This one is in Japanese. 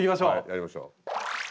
やりましょう。